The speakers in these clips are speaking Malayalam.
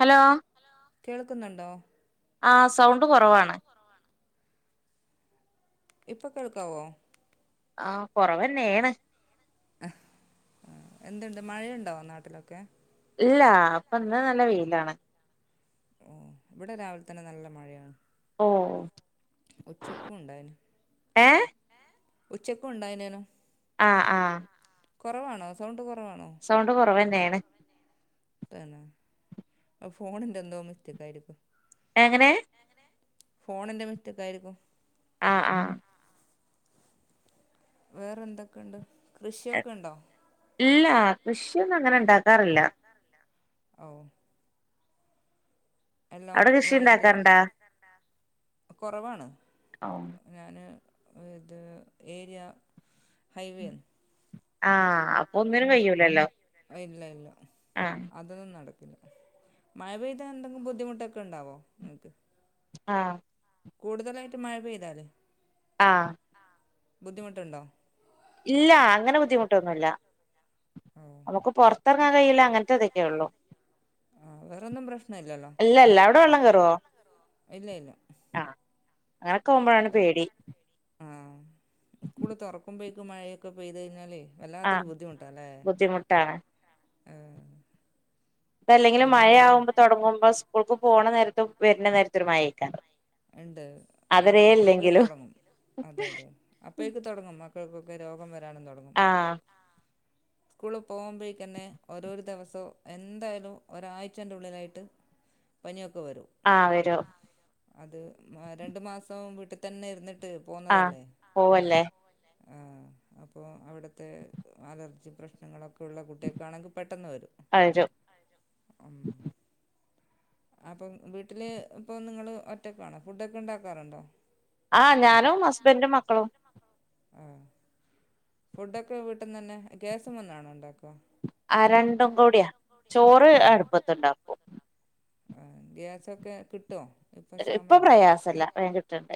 ഹലോ ആ സൗണ്ട് കുറവാണ് ഇപ്പൊ കേൾക്കാവോ ആ കൊറവെന്നെയാണ് ആ എന്തുണ്ട് മഴയുണ്ടോ നാട്ടിലൊക്കെ? ഇല്ല അപ്പൊ ഇന്ന് നല്ല വെയിലാണ് ഓ ഇവിടെ രാവിലെ തന്നെ നല്ല മഴയാണ്. ഓ ഉച്ചക്കും ഉണ്ടായിന് ഉച്ചക്കും ഉണ്ടായിനേനോ ആ ആ കുറവാണോ സൗണ്ട് കുറ സൗണ്ട് കുറവന്നെയാണ്. തന്നെ ഫോണിന്റെ എന്തോ മിസ്റ്റേക്ക് ആയിരിക്കും. എങ്ങനെ ഫോണിന്റെ മിസ്റ്റേക്ക് ആയിരിക്കും. ആ ആ വേറെ എന്തൊക്കെണ്ട് കൃഷിയൊക്കെ ഇണ്ടോ? ഇല്ല കൃഷിയൊന്നും അങ്ങനെ ഉണ്ടാക്കാറില്ല. ഓ അവിടെ കൃഷിണ്ടാക്ക്ണ്ടോ? കുറവാണ് ഞാന്. ഇത് ഏരിയ ഹൈവേണെ. ആഹ അപ്പൊന്നിനും കഴിയൂലല്ലോ, ഇല്ല ഇല്ല അതൊന്നും നടക്കു മഴ പെയ്താന്തെങ്കിലും ബുദ്ധിമുട്ടൊക്കെ ഉണ്ടാവോ നിങ്ങക്ക്, ആഹ കൂടുതലായിട്ട് മഴ പെയ്താല്, ആഹ ബുദ്ധിമുട്ടുണ്ടോ, ഇല്ല അങ്ങനെ ബുദ്ധിമുട്ടൊന്നുമില്ല, നമുക്ക് പൊറത്തിറങ്ങാൻ കഴയില്ല അങ്ങനത്തെതൊക്കെ ഒള്ളു, ആ വേറൊന്നും പ്രശ്നല്ലല്ലോ, വെള്ളം കേറോ? ഇല്ല ഇല്ല അങ്ങനൊക്കെ പോവുമ്പോളാണ് പേടി, മഴയക്കെ പെയ്ത് കഴിഞ്ഞാലേ, ആഹ ബുദ്ധിമുട്ടാണ്, അതല്ലെങ്കിലും മഴ ആവുമ്പോ തുടങ്ങുമ്പോ സ്കൂൾക്ക് പോണനേരത്തും വരുന്ന നേരത്തും ഒരു മഴയായികാരം, ഉണ്ട് അപ്പോ പെഴ്തുടങ്ങും അതെ അതെ അപ്പേക്ക് തുടങ്ങും, [unintelligible] പൾക്കൊക്കെ രോഗം വരാനും തുടങ്ങി സ്കൂളിൽ പോകുമ്പോഴേക്കന്നെ ഓരോരോ ദിവസവും എന്തായാലും ഒരാഴ്ചയെന്റ ഉള്ളിലായിട്ട് പഞ്ഞോ [unintelligible] ആ വരോ അത് രണ്ടു മാസം വീട്ടിൽ തന്നെ ഇരുന്നിട്ട് പോന്നതല്ലേ അ, ആ അപ്പോ അവിടുത്തെ അലർജി പ്രശ്നങ്ങളൊക്കെ ള്ള കുട്ടിക്കാണെങ്കിൽ പെട്ടെന്ന് വരും, അപ്പം വീട്ടില് ഇപ്പൊ നിങ്ങള് ഒറ്റക്കാണോ ഫുഡ്ക്കെ ഉണ്ടാക്കാറുണ്ടോ, ആഹ് ഞാനും ഹസ്ബന്റും മക്കളും. ആ ഫുഡൊക്കെ വീട്ടന്ന്ന്നെ ഗ്യാസ്ന്നാണോ ഉണ്ടാക്ക, ആ രണ്ടും കൂടിയാ ചോറ് അടുപ്പത്തണ്ടാക്കും. ആ ഗ്യാസൊക്കെ കിട്ടോ? ഇപ്പൊ പ്രയാസല്ല വേകകിട്ടുണ്ട്.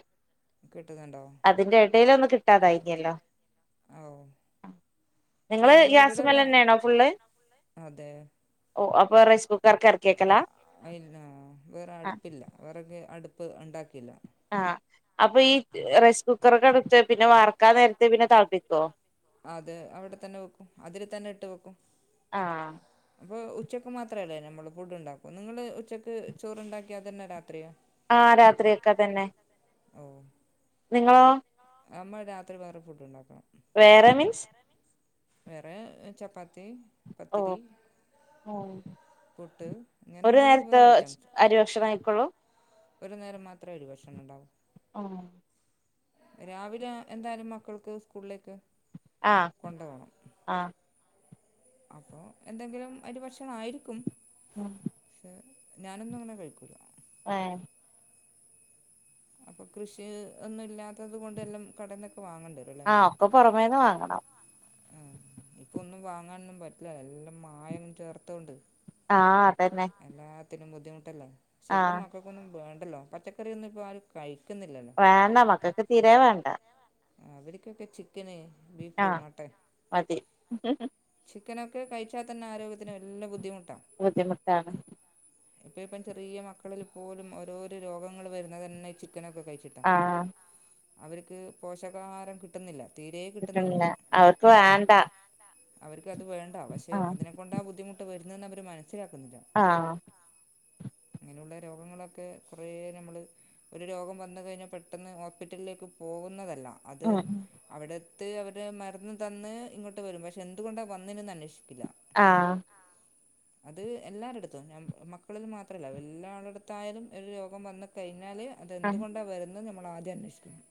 കിട്ടുന്നുണ്ടോ? ടയില് ഒന്ന് കിട്ടാതായിക്കല്ലോ നിങ്ങള് ഗ്യാസ്മൽ തന്നെയാണോ ഫുള്ള് ഓ വെറൈസ് കുക്കറക്കിവക്കലാ? ഇല്ല വേറെ അടുപ്പില്ല വേറെക്കെടുപ്പ് ഉണ്ടാക്കില്ല. ആഹ അപ്പൊ ഈ റൈസ് കുക്കർ ഒക്കെ അടുത്ത് പിന്നെ വർക്കാ നേരത്തെ പിന്നെ തളപ്പിക്കോ. ത്തന്നെവെക്കു അതിൽ തന്നെ ട്ട് വെക്കും അപ്പോ ച ഉച്ചക്ക് മാത്രമല്ലേമ്മൾ ഫുഡ് ഉണ്ടാകണെ നിങ്ങൾ ഉച്ചയ്ക്ക് ചോറ്ണ്ടാക്കിയാ തന്നെ രാത്രിയോ ആ രാത്രിക്കെ തന്നെ നിങ്ങളോ? നമ്മൾ രാത്രി വേറെ ഫുഡ് ഉണ്ടാക്കണ. വേറെ ചപ്പാത്തി പത്തിരി. ഓ ഒരു നേരത്തെ അരിഭക്ഷണം കയിക്കൊള്ളൂ? ഒരു നേരം മാത്രേ അരി ഭക്ഷണം ഉണ്ടാവൂ. രാവിലെന്തായാലും മക്കൾക്ക് സ്കൂളിലേക്ക് ആഹ ആഹ, അപ്പൊ എന്തെങ്കിലും ഒരുഭക്ഷണായിരിക്കും. ഉം ഞാനൊന്നും അങ്ങനെ കഴിക്കൂല ആഹ അപ്പൊ കൃഷി ഒന്നും ഇല്ലാത്തത് കൊണ്ട് എല്ലാം കടന്ന ആഹ അപ്പം പുറമേന്ന് വാങ്ങണം ആ ഇപ്പൊ ഒന്നും വാങ്ങാനൊന്നും പറ്റില്ല എല്ലാം മായങ്ങും ചേർത്തോണ്ട് ആഹ എല്ലാത്തിലനും ബുദ്ധിമുട്ടല്ലേ പക്ഷെ ഇപ്പ മക്കൾക്കൊന്നും വേണ്ടല്ലോ പച്ചക്കറൊന്നും ഇപ്പൊ ആര് കഴിക്ക വേണ്ട മക്കൊക്കെ തീരെ വേണ്ട അവരൊക്കെ ചിക്കന് ബീഫ് മട്ടൻ ചി ചിക്കന്‍ ഒക്കെ കഴിച്ചതന്നെ ആരോഗ്യത്തിന് വല്ല ബുദ്ധിമുട്ട ബുദ്ധിമുട്ടാണ് ഇപ്പ ഇപ്പം ചെറിയ മക്കളിൽ പോലും ഓരോരോ രോഗങ്ങൾ വരുന്നത് തന്നെ ചി ചിക്കനൊക്കെ കഴിച്ചിട്ടാ അവർക്ക് പോഷകാഹാരം കിട്ടുന്നില്ല കിട്ടിണില്ല അവർക്ക് വേണ്ടാ അവർക്ക്ത് വേണ്ട പക്ഷെ അതിനെ കൊണ്ടാ ബുദ്ധിമുട്ട് വരുന്നെന്ന് അവര് മനസ്സിലാക്കുന്നില്ല മ്മ് അങ്ങനെയുള്ള രോഗങ്ങളൊക്കെ കുറ നമ്മൾ ഒരു രോഗം വന്ന കഴിഞ്ഞാൽ പെട്ടെന്ന് ഹോസ്പിറ്റലിലേക്ക് പോകു തല്ല അത് അവിടെ എ ത്ത് അവര് മരുന്ന് തന്ന് ഇങ്ങോട്ട് വരും പക്ഷെ എന്തുകൊണ്ടാണ് വന്ന്ന് അന്വേഷിക്കില്ല ആഹ മ്മ് അത് എല്ലാവരുടെ അടുത്തും ഞ മക്കളും മാത്രമല്ല എല്ലാവരുടുത്തായാലും ഒരു രോഗം വന്ന് കഴിഞ്ഞ ന്നാല് അതെന്തുകൊണ്ടാ വരുന്നത് നമ്മൾ ആദ്യം അന്വേഷിക്കണം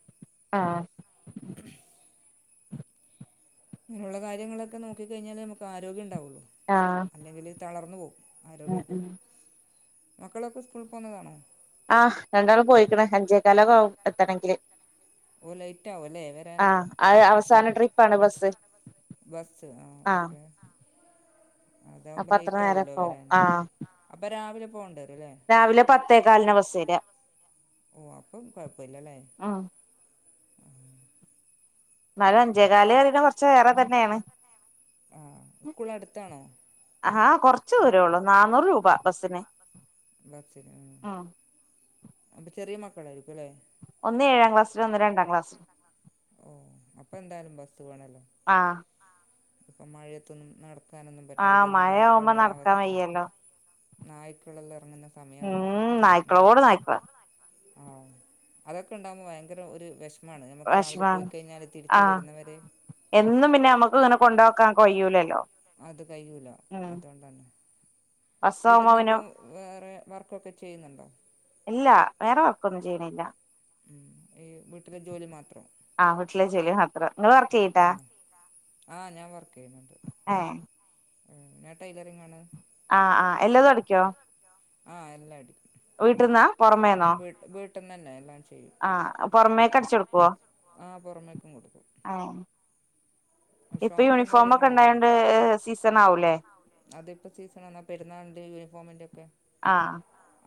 അങ്ങനെയുള്ള കാര്യങ്ങളൊക്കെ നോക്കി കഴിഞ്ഞാൽ നമുക്ക് ആരോഗ്യം ഉണ്ടാവുള്ളൂ അല്ലെങ്കിൽ തളർന്നു പോകും ആരോഗ്യൊക്കെ മക്കളൊക്കെ സ്കൂളിൽ പോകുന്നതാണോ ആഹ രണ്ടാള് പോയിക്കണ അഞ്ചേക്കാലൊക്കെ ആവും എത്തണെങ്കില് ലറ്റ് ആവല്ലേ വരാന് അവസാന ട്രിപ്പ് ആണ് ബസ്സ് ബസ് ആഹ ഓക്കെ അതകുമ്പോ ലേറ്റ് ആകല്ലോ വരൻ അപ്പൊ രാവിലെ രാവിലെ പത്ത് ഓ അപ്പം കൊഴപ്പല്ലല്ലേ എന്നാലും അഞ്ചേകാല് പറയുന്നേ കുറച്ച് ഏറെ തന്നെയാണ് ആഹ സ്കൂള അടുത്താണോ കുറച്ച ദൂരോ ഉള്ളൂ നന്നൂറ് രൂപ ബസന് ബസ്ന് അപ്പൊ ചെറിയ മക്കളായിരിക്കും അല്ലേ ഒന്ന് ഏഴാം ക്ലാസ്സില് ഒന്ന് രണ്ടാം ക്ലാസ്ലിലും ഓ അപ്പൊ എന്തായാലും ബസ് വേണല്ലോ ഇപ്പൊ മഴയത്തൊന്നും നട ആഹ മഴ ആവുമ്പോ നടക്കാൻ വയ്യല്ലോ നായ്ക്കളെല്ലാം ഉം നായ്ക്കളോട് നായ്ക്കളാ ആ അതൊക്കെ ഉണ്ടാകുമ്പോൾ ഭയങ്കര ഒരു വിഷമാണ് നമുക്ക് രാവിലെ പോയിക്കഴിഞ്ഞാല് തിരിച്ച് വരുന്നവരെ എന്നും പിന്നെ നമ്മുക്ക് ഇങ്ങനെ കൊണ്ടോക്കാൻ കൊയ്യൂലല്ലോ ഉം വീട്ടന്നപ്പോൾ വേറെ വർക്കൊക്കെ ചെയ്യുന്നുണ്ടോ വേറെ വർക്കൊന്നും ചെയ്യണില്ല ഈ വീട്ടിലെ ജോലി മാത്രം ത്രം നിങ്ങള്‍ വർക്ക് ചെയ്യണ്ട ഏ ഞാന്‍ ടൈലറിങ് ആണ് ആ ആ എല്ലതും അടിക്കോ? ആഹ്, എല്ലാ അടി വീട്ട്ന്നാ പുറമേന്നോ? വീട്ട്ന്നെന്നേ എല്ലാഞ്ജു ആ, പുറമേക്കടിച്ചെടുക്കോ? ആ പുറമേക്കും കൊടുക്കും ഇപ്പൊ യൂണിഫോമൊക്കെ ഇണ്ടായോണ്ട് സീസൺ ആവൂലേ? അതിപ്പോ സീസൺ ആന്നാ, പെരുന്നാളിന്റെ യൂണിഫോമിന്റെ ഒക്കെ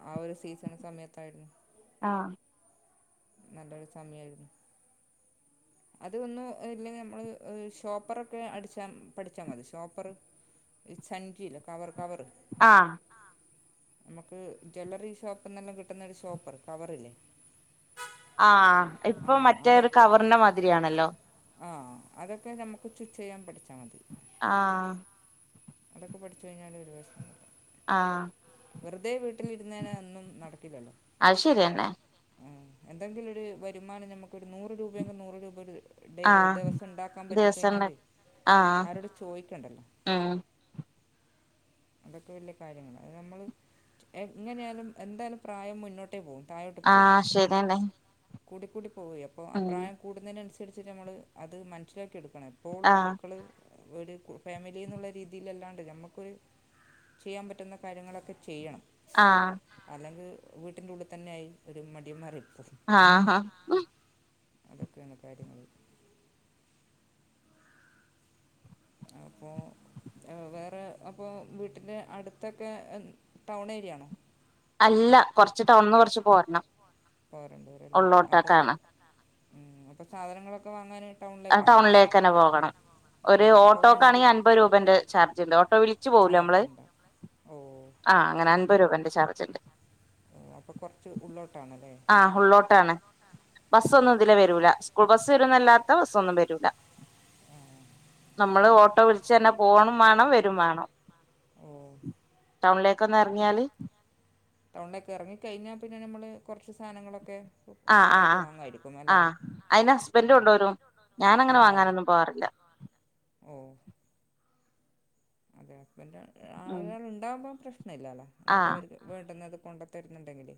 ആ ഒരു സീസൺ സമയത്തായിരുന്നു. ആഹ് നല്ലൊരു, സമയയിരുന്നു അതൊന്നും, ഇല്ലെങ്ക, നമ്മള്, ഷോപ്പറൊക്കെ, അടിച്ചാ, പഠിച്ചാമതി, ഷോപ്പർ ഈ, സഞ്ചി ല്ലെ, കവർ, കവർ ആഹ നമുക്ക്, ജ്വല്ലറി, ഷോപ്പ്ന്നെല്ലാം, കിട്ടുന്ന, ഒരു, ഷോപ്പ് കവറല്ലേ ആഹ, ഇപ്പൊ, മറ്റേരു, കവറിന്റെ, മാതിരിയാണല്ലോ ആ അതൊക്കെ നമുക്ക് സ്റ്റിച് ചെയ്യാൻ പഠിച്ച ആ അതൊക്കെ പഠിച്ചു കഴിഞ്ഞാല് ഒരു പ്രശമ ആ വെറുതെ വീട്ടിലിരുന്നേ ഒന്നും നടക്കില്ലല്ലോ. ആ എന്തെങ്കിലൊരു വരുമാനം നമുക്കൊരു നൂറ് രൂപയെങ്കി നൂറ് രൂപ ഒരു ദിവസം ണ്ടാക്കാൻ പറ്റിക്കഴിഞ്ഞാല് ആരോടും ചോദിക്കണ്ടല്ലോ അതൊക്കെ വലിയ കാര്യങ്ങ അത് നമ്മള് എങ്ങനെയാലും എന്തായാലും പ്രായം മുന്നോട്ട് ആഹ ശരിഎന്നെ കൂടിക്കൂടി പോയി അപ്പോൾ ആ പ്രായം കൂടുന്നതിനനുസരിച്ച് നമ്മൾ അത് മനസ്സിലാക്കി എടുക്കണം എപ്പോഴും മക്കള് ഒരു ഫാമിലിന്നുള്ള രീതിൽല്ലാണ്ട് നമ്മുക്കൊരു ചെയ്യാൻ പറ്റുന്ന കാര്യങ്ങളൊക്കെ ചെയ്യണം. ആ അല്ലെങ്കിൽവീട്ടിൻ്റെഉള്ളിൽ തന്നെയായി ഒരു മടിയന്മരായി ആഹ് ഹഹ അതൊക്കെയാണ് കാര്യങ്ങൾ അപ്പോ വേറെ അപ്പോൾ വീട്ടിന്റെ അടുത്തൊക്കെ ടൗൺ ഏരിയാണോ. അല്ല കുറച്ടൗണി ന്ന് കുറച്ച് പോരണം പോരണ്ടിവരുല്ലേഅപ്പൊ ഉ അപ്പൊ സാധനങ്ങളൊക്കെ വാങ്ങാന് ആ ടൗണിലേക്കന്നെ പോകണം. ഒരു ഓട്ടോക്കാണെങ്കിൽ അൻപത് രൂപേന്റെ ചാർജ് ഉണ്ട് ഓട്ടോ വിളിച്ചു പോകല്ലോനമ്മള്. ആഹ അങ്ങന അൻപത് രൂപന്റെ ചാർജ് ണ്ട്. അപ്പൊ കൊറച്ച് ഉള്ളോട്ടാണല്ലേ ബസ് ഒന്നും ഇതില വരൂല സ്കൂൾ ബസ് വരുന്നല്ലാത്ത ബസ്സൊന്നും വരൂല. നമ്മള് ഓട്ടോ വിളിച്ചന്നെ പോകണും, വേണം, വരും, വേണം. ടൗണിലേക്കൊന്ന് ഇറങ്ങിയാല് ടൗണിലക്കേറങ്ങി കഴിഞ്ഞാ പിന്നെ നമ്മള് കുറച്ച് സാധനങ്ങളൊക്കെ ആഹ് ആ ആ ആഹ് അയിന് ഹസ്ബൻഡ കൊണ്ടോരും ഞാനങ്ങനെ വാങ്ങാനൊന്നും പോവാറില്ല ഉം അതെ ഹസ്ബൻറ് അൾ ഉണ്ടാകുമ്പോ പ്രശ്ന ഇല്ലല്ലോ നമുക്ക് അവർക്ക് വേണ്ടത് കൊണ്ട ണ്ടെങ്കിൽ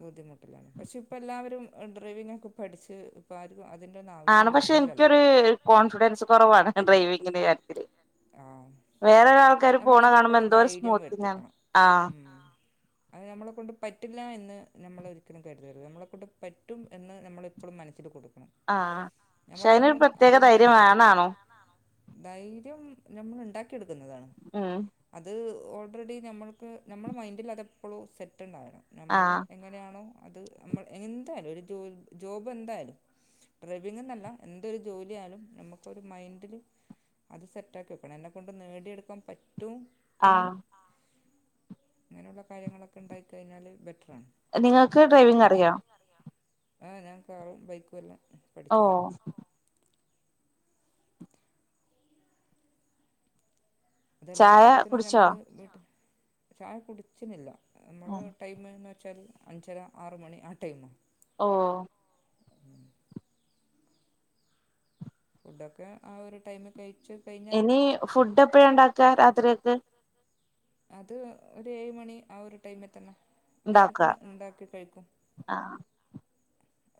ബുദ്ധിമുട്ട് ട്ടാണ് പക്ഷെ ഇപ്പ എല്ലാവരും ഡ്രൈവിങ്ങൊക്കെ പഠിച്ച് ഇപ്പം ആര് ആണ് പക്ഷെ എനിക്കൊരു കോൺഫിഡൻസ് കുറവാണ് ഡ്രൈവിങ്ങിന്റെ കാര്യത്തില്. വേറെരാൾക്കാര് പോണ കാണുമ്പോ എന്തോ സ്മൂത്തി ങ്ങാആ അത് നമ്മളെ കൊണ്ട് പറ്റില്ല എന്ന് നമ്മൾ ഒരിക്കലും കരുതരുത്. നമ്മളെ കൊണ്ട് പറ്റും എന്ന് നമ്മളെപ്പോഴും മനസ്സിൽ കൊടു ആ ഷൈനൊരു പ്രത്യേക ധൈര്യംവേണാനും ഞമ്മൾ ഉണ്ടാക്കിെയെടുക്കുന്നതാണ് അത് ഓൾറെഡി നമ്മൾക്ക് നമ്മുടെ മൈൻഡിൽ അതെപ്പോഴും സെറ്റ് ഉണ്ടായിണം നമ്മൾ എങ്ങനെയാണോ അത് നമ്മൾ എന്തായാലും ഒരു ജോബ് എന്തായാലും ഡ്രൈവിംഗ് എന്നല്ല എന്തൊരു ജോലിയാലും നമ്മുക്കൊരു മൈൻഡില് അത് സെ റ്റാക്കി വെക്കണം എന്നെ കൊണ്ട് നേടിയെടുക്കാൻ പറ്റും എന്ന് അങ്ങനെയുള്ള കാര്യങ്ങളൊക്കെ ഉണ്ടായി കഴിഞ്ഞാല് ബെറ്റർ നിങ്ങൾക്ക് ഡ്രൈവിംഗ് അറിയാം. ആ ഞാൻ കാറും ബൈക്കും എല്ലാം ഓ അതെല്ലാ കാര്യത്തിനും ഞമ്മള് [unintelligible] ചായ കുടിച്ചിന്നില്ല. നമ്മൾ ടൈ മെന്ന് വെച്ചാൽ അഞ്ചര ആറുമണി ആ ടൈമാ ഓ ഫുഡൊക്കെ ആ ഒരു ടൈമിക്കയി ഇനി ഫുഡ് എപ്പഴാ ഉണ്ടാക്കുക രാത്രിലത്തെ? അത് ഒരു ഏഴ് മണി ആ ഒരു ടൈമിൽ തന്നെ. നേരത്തെ ഉണ്ടാക്കി കഴിക്കും.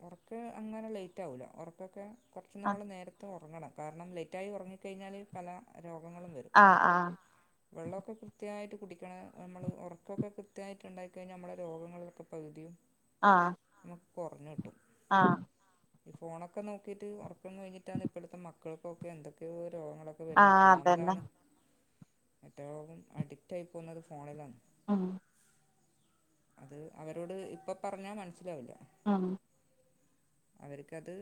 ഉറക്ക് അങ്ങനെ ലേറ്റ് ആവൂല ഉറക്കൊക്കെ കുറച്ച് നമ്മൾ നേരത്തെ ഉറ ഉറങ്ങണം. കാരണം ലേറ്റായി ഉറങ്ങിക്കഴിഞ്ഞാല് പല ആഹ് ആഹ് വെള്ളമൊക്കെ കൃത്യായിട്ട് കുടിക്കണം നമ്മള് ഉറക്കൊക്കെ കൃത്യായിട്ട് ഉണ്ടായി കഴിഞ്ഞാല് നമ്മളുടെ രോഗങ്ങളൊക്കെ പകുതിയും ആ കുറഞ്ഞു. ആ ഈ ഫോണൊക്കെ നോക്കിയിട്ട് ഉറക്കം കഴിഞ്ഞിട്ടാണ് ഇപ്പോഴത്തെ മക്കൾക്കൊക്കെ എന്തൊക്കെയോ രോഗങ്ങളൊക്കെ വരുന്നത്. ഫോണിലാണ് ഏറ്റവും അഡിക്റ്റ് ആയി പോകുന്നത് ഫോണിലാണ് ആ അത് അവരോട് ഇപ്പ പറഞ്ഞാൽ മനസ്സിലാവില്ല. ആ അവർക്കത്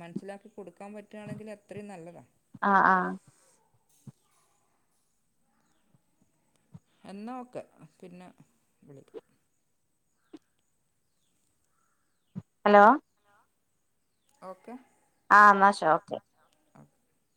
മനസിലാക്കി കൊടുക്കാൻ പറ്റുകവാണെങ്കിൽ അത്രയും നല്ലതാ. എന്നാ ഓകെ പിന്നെ വിളിക്കാം. Hello okay. ആ എന്നാ ശോ ഓക്കെ. [inaudible]